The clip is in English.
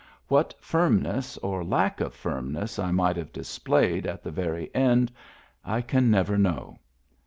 What firmness or lack of firmness I might have displayed at the very end I can never know.